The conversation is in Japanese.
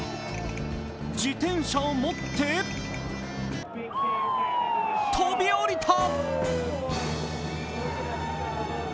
自転車を持って飛び降りた！